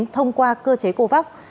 thông qua cơ chế covax